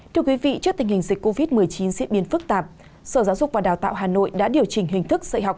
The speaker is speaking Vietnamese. trước tình hình dịch covid một mươi chín diễn biến phức tạp sở giáo dục và đào tạo hà nội đã điều chỉnh hình thức dạy học